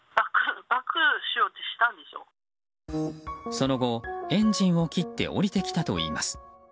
その後、エンジンを切って降りてきたといいます。